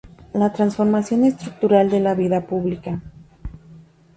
La transformación estructural de la vida pública".